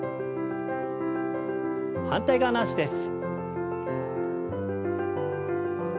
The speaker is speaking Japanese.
反対側の脚です。